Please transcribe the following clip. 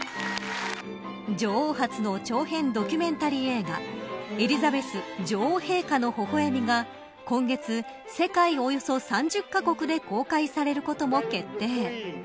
女王初の長編ドキュメンタリー映画エリザベス女王陛下の微笑みが今月、世界およそ３０カ国で公開されることも決定。